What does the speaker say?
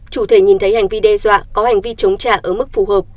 chủ thể nhìn thấy hành vi đe dọa có hành vi chống trả ở mức phù hợp